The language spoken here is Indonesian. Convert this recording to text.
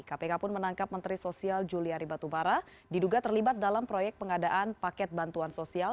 kpk pun menangkap menteri sosial juliari batubara diduga terlibat dalam proyek pengadaan paket bantuan sosial